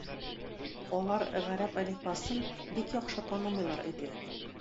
Алар гарәп әлифбасын бик яхшы танымыйлар иде.